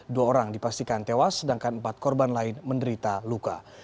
dua orang dipastikan tewas sedangkan empat korban lain menderita luka